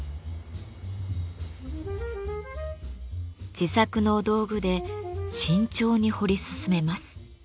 自作の道具で慎重に彫り進めます。